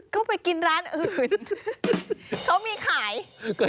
ก็ไปกินร้านอื่นเขามีขายเชียงใหม่นะ